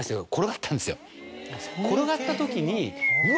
転がったときにうわ！